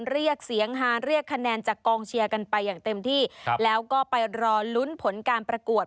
เรียกเสียงฮาเรียกคะแนนจากกองเชียร์กันไปอย่างเต็มที่แล้วก็ไปรอลุ้นผลการประกวด